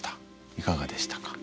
いかがでしたか？